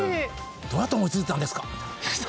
「どうやって思いついたんですか？」